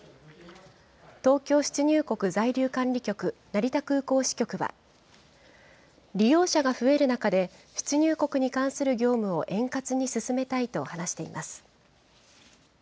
東京出入国在留管理局成田空港支局は、利用者が増える中で、出入国に関する業務を円滑に進めたいと話しています。